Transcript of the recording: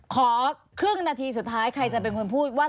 ขอครึ่งนาทีสุดท้ายใครจะเป็นคนพูดว่า